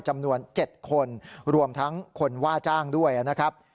จำนวน๗คนรวมทั้งคนว่าจ้างด้วยนะครับ